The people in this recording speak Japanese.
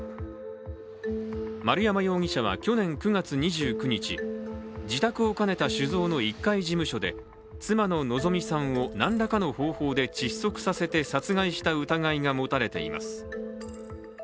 丸山容疑者は去年９月２９日、自宅を兼ねた酒造の１階事務所で妻の希美さんを何らかの方法で窒息させて殺害した疑いが持たれています。